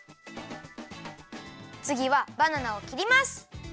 つぎはバナナをきります！